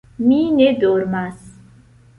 Mi ne dormas.